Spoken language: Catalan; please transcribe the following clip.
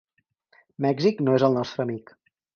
Mèxic no és el nostre amic.